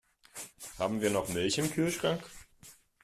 Haben wir noch Milch im Kühlschrank?